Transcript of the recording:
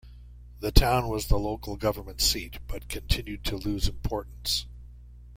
The town was the local government seat but continued to lose importance.